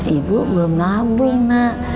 ibu belum nabung nah